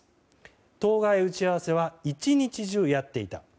当該打ち合わせは１日中やっていた。